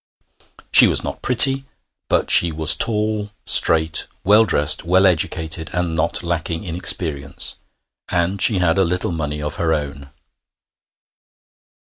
She was not pretty, but she was tall, straight, well dressed, well educated, and not lacking in experience; and she had a little money of her own.